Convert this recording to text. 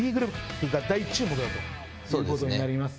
だということになります。